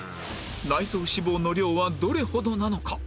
内臓脂肪の量はどれほどなのか？